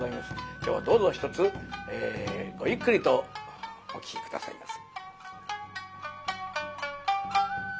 今日はどうぞひとつごゆっくりとお聴き下さいませ。